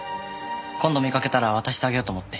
今度見かけたら渡してあげようと思って。